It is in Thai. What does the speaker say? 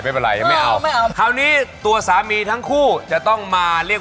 มันออกไง